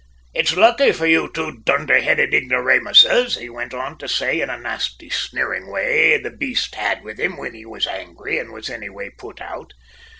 "`It's lucky for you two dunder headed ignoramases!' he went on to say in a nasty sneerin' way the baste had with him whin he was angry and was any way put out.